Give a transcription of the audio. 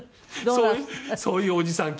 そういうおじさん